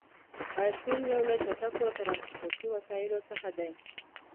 بایسکل یو له چټکو ترانسپورتي وسیلو څخه دی.